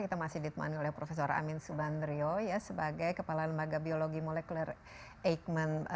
kita masih ditemani oleh prof amin subandrio sebagai kepala lembaga biologi molekuler eijkman